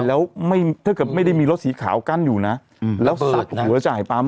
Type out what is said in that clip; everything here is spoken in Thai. แล้วไม่ถ้าเกิดไม่ได้มีรถสีขาวกั้นอยู่นะแล้วตัดหัวจ่ายปั๊ม